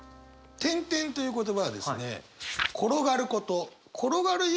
「転輾」という言葉はですね